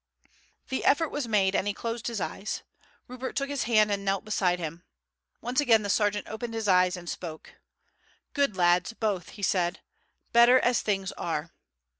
The effort was made and he closed his eyes. Rupert took his hand and knelt beside him. Once again the sergeant opened his eyes and spoke. "Good lads both," he said; "better as things are."